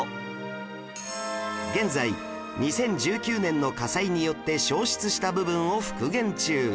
現在２０１９年の火災によって焼失した部分を復元中